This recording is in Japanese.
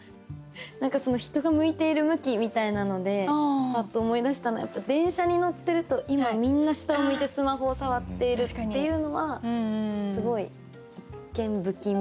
何か人が向いている向きみたいなのでパッと思い出したのは電車に乗ってると今みんな下を向いてスマホを触っているっていうのはすごい一見不気味。